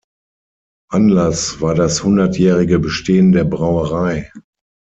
Anlass war das hundertjährige Bestehen der Brauerei.